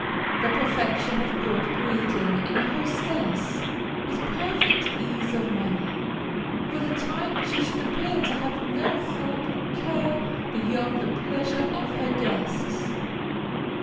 The perfection of good breeding in a hostess, is perfect ease of manner; for the time she should appear to have no thought or care beyond the pleasure of her guests.